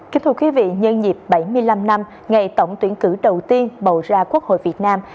kính thưa quý vị nhân dịp bảy mươi năm năm ngày tổng tuyển cử đầu tiên bầu ra quốc hội việt nam